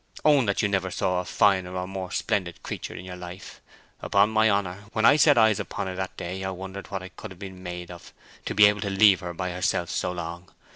Own that you never saw a finer or more splendid creature in your life. Upon my honour, when I set eyes upon her that day I wondered what I could have been made of to be able to leave her by herself so long.